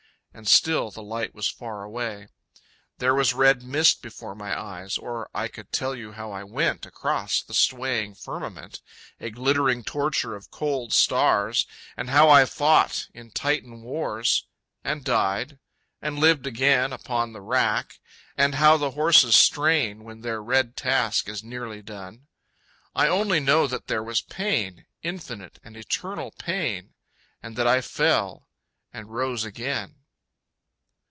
And still the light was far away. There was red mist before my eyes Or I could tell you how I went Across the swaying firmament, A glittering torture of cold stars, And how I fought in Titan wars... And died... and lived again upon The rack... and how the horses strain When their red task is nearly done.... I only know that there was Pain, Infinite and eternal Pain. And that I fell and rose again.